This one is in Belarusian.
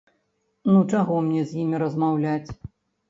Ну чаго мне з імі размаўляць?